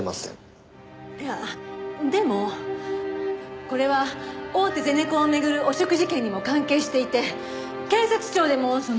いやでもこれは大手ゼネコンを巡る汚職事件にも関係していて警察庁でもその。